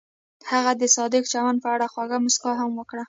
هغې د صادق چمن په اړه خوږه موسکا هم وکړه.